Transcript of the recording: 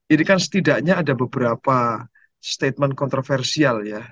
ini kan setidaknya ada beberapa statement kontroversial ya